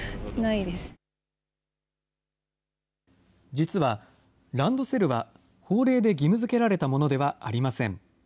実は、ランドセルは法令で義務づけられたものではありません。